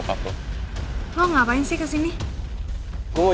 kalau tuhan gampang bisa dikuangek